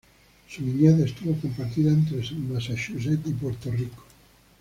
Su niñez estuvo compartida entre Massachusetts y Puerto Rico.